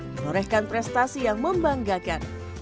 menorehkan prestasi yang membanggakan